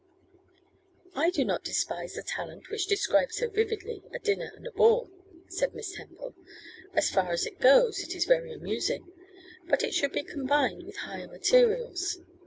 'I do not despise the talent which describes so vividly a dinner and a ball,' said Miss Temple. 'As far as it goes it is very amusing, but it should be combined with higher materials.